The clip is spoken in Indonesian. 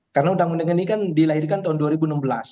karena undang undang ini kan dilahirkan tahun dua ribu enam belas